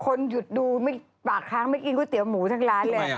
คนหยุดดูไม่ปากค้างไม่กินก๋วเตี๋หมูทั้งร้านเลย